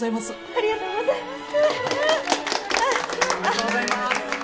ありがとうございます。